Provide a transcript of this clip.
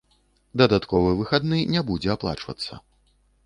Дадатковы выхадны не будзе аплачвацца.